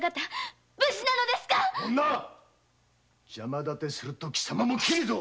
女邪魔すると貴様も切るぞ！